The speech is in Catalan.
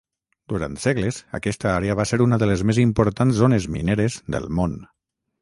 Durant segles aquesta àrea va ser una de les més importants zones mineres del món.